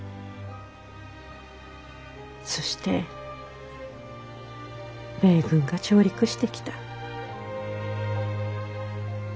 そして米軍が上陸してきた。